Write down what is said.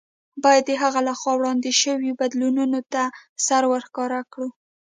باید د هغه له خوا وړاندې شویو بدلوونکو ته سر ورښکاره کړو.